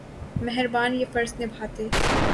مہربان یہ فرض نبھاتے۔